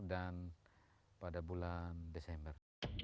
dan pada bulan desember